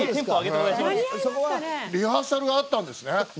リハーサルがあったんですね。